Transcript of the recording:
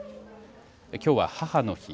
きょうは母の日。